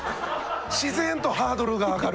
自然とハードルが上がる。